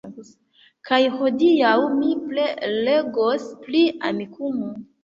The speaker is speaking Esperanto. Kaj hodiaŭ mi prelegos pri Amikumu!